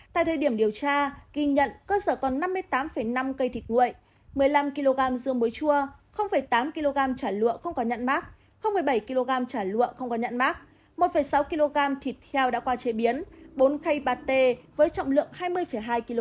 tại thời điểm điều tra ghi nhận cơ sở còn năm mươi tám năm cây thịt nguội một mươi năm kg dưa muối chua tám kg chả lụa không có nhận mát bảy kg chả lụa không có nhận mát một sáu kg thịt heo đã qua chế biến bốn cây pate với trọng lượng hai mươi hai kg